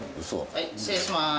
はい失礼します